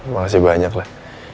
makasih banyak lah